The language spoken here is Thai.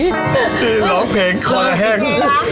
ตื่นร้องเพลงคอแห้ง